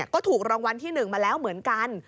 ก็ถูกรางวัลที่๑มาแล้วเหมือนกัน